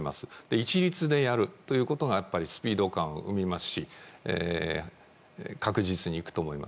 一律でやるということがやっぱりスピード感を生みますし確実に行くと思います。